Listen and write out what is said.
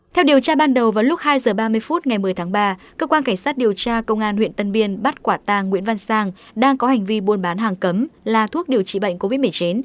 theo điều tra ban đầu vào lúc hai h ba mươi phút ngày một mươi tháng ba cơ quan cảnh sát điều tra công an huyện tân biên bắt quả tàng nguyễn văn sang đang có hành vi buôn bán hàng cấm là thuốc điều trị bệnh covid một mươi chín